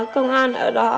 công an ở đó